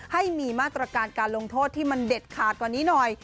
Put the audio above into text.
ให้มีมาตรการการลงโทษที่มันเด็ดขาดกว่านี้หน่อย